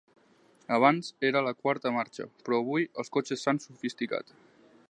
Abans era la quarta marxa, però avui els cotxes s'han sofisticat.